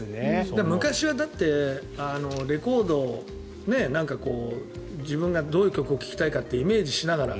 昔はレコードを、自分がどういう曲を聴きたいかってイメージしながら。